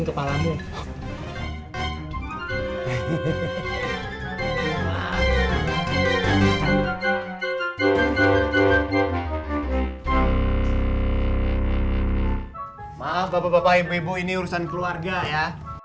maaf bapak bapak ibu ibu ini urusan keluarga ya